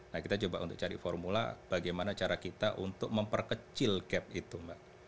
nah kita coba untuk cari formula bagaimana cara kita untuk memperkecil gap itu mbak